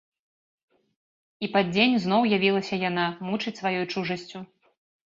І пад дзень зноў явілася яна мучыць сваёй чужасцю.